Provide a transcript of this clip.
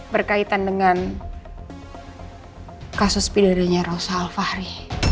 berkaitan dengan kasus pidananya rosa alfahri